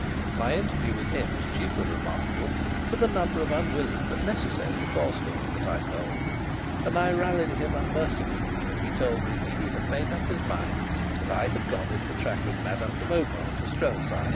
My interview with him was chiefly remarkable for the number of unwilling but necessary falsehoods that I told; and I rallied him unmercifully when he told me that he had made up his mind that I had gone in the track of Madame de Mauban to Strelsau.